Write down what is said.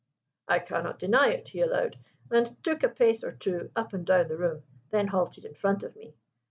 'I cannot deny it,' he allowed, and took a pace or two up and down the room, then halted in front of me.